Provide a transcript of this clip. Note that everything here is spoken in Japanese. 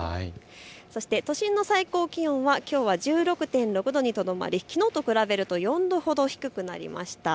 そして都心の最高気温はきょうは１６．６度にとどまりきのうと比べると４度ほど低くなりました。